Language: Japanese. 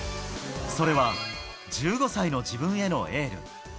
それは１５歳の自分へのエール。